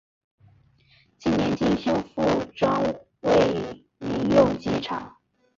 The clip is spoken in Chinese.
近年经修复转为民用机场。